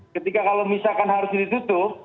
ketika kalau misalkan harus ditutup